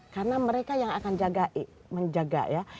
karena mereka yang akan menjaga ya